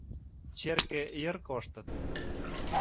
Черке йыр коштыт.